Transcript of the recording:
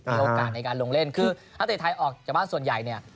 มีโอกาสในการลงเล่นคือนักเตะไทยออกจากบ้านส่วนใหญ่เนี่ย